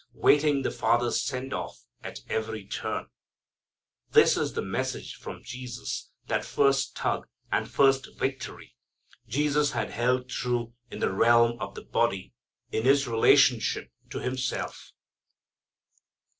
Waiting the Father's send off at every turn: this is the message from Jesus that first tug, and first victory. Jesus had held true in the realm of the body, in His relationship to Himself.